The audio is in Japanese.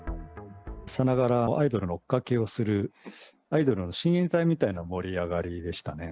さながらアイドルの追っかけをする、アイドルの親衛隊みたいな盛り上がりでしたね。